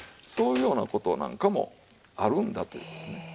そういうような事なんかもあるんだという事ですね。